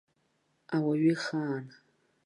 Ауаҩы ихаан.